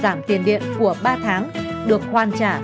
và giảm tiền điện của ba tháng được khoan trả